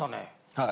はい。